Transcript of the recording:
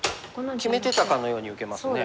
決めてたかのように受けますね。